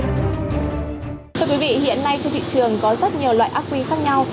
thưa quý vị hiện nay trên thị trường có rất nhiều loại ác quy khác nhau